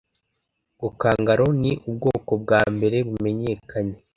ngo kangaroo ni ubwoko bwa mbere bumenyekanye